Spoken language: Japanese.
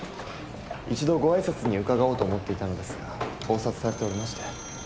一度ご挨拶に伺おうと思っていたのですが忙殺されておりまして。